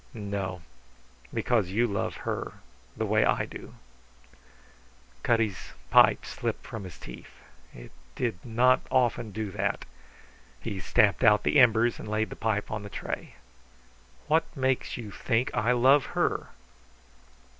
"No. Because you love her the way I do." Cutty's pipe slipped from his teeth. It did not often do that. He stamped out the embers and laid the pipe on the tray. "What makes you think I love her?"